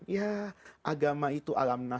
ya agama itu